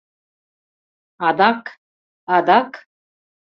Адак... адак...